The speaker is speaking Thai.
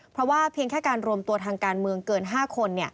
เพราะว่าเพียงแค่การรวมตัวทางการเมืองเกิน๕คน